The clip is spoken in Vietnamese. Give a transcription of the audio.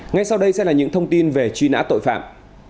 ngay sau đây sẽ là những thông tin về truy nã tội phạm